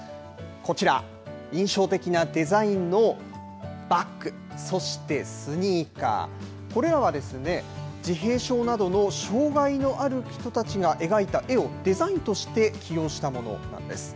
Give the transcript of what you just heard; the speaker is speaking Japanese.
こちら、印象的なデザインのバッグ、そしてスニーカー、これらは自閉症などの障害のある人たちが描いた絵をデザインとして起用したものなんです。